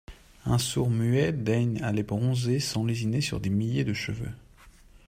Un sourd-muet daigne aller bronzer sans lésiner sur des milliers de cheveux.